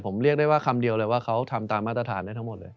ผมเรียกได้ว่าคำเดียวเลยว่าเขาทำตามมาตรฐานได้ทั้งหมดเลย